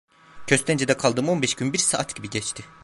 Köstence'de kaldığım on beş gün bir saat gibi geçti.